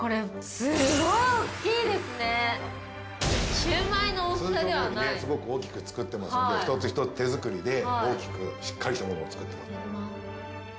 通常よりすごく大きく作ってますので一つ一つ手作りで大きくしっかりしたものを作ってます。